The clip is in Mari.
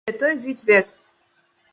Святой вӱд вет!